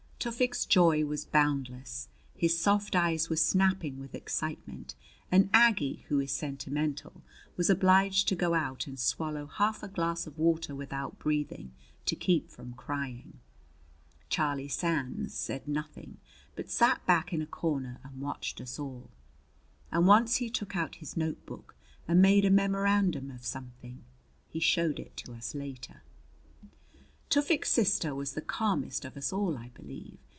Tufik's joy was boundless; his soft eyes were snapping with excitement; and Aggie, who is sentimental, was obliged to go out and swallow half a glass of water without breathing to keep from crying. Charlie Sands said nothing, but sat back in a corner and watched us all; and once he took out his notebook and made a memorandum of something. He showed it to us later. Tufik's sister was the calmest of us all, I believe.